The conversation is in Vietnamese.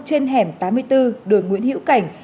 trên hẻm tám mươi bốn đường nguyễn hữu cảnh